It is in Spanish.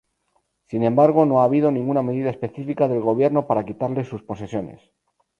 Sin embargo, no ha habido ninguna medida específica del gobierno para quitarles sus posesiones.